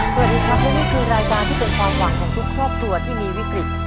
สวัสดีครับและนี่คือรายการที่เป็นความหวังของทุกครอบครัวที่มีวิกฤต